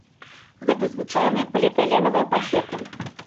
Гэта звычайныя поліэтыленавыя пакеты.